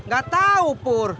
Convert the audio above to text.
gak tau pur